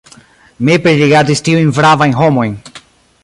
Mi pririgardis tiujn bravajn homojn.